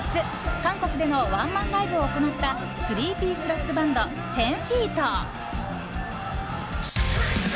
韓国でのワンマンライブを行った３ピースロックバンド１０‐ＦＥＥＴ。